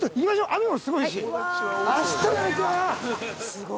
雨もすごいし。